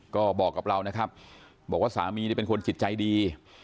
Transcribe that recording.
ก็บอกกับเรานะครับบอกว่าสามีเป็นคนจิตใจดี